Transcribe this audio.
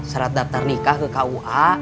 syarat daftar nikah ke kua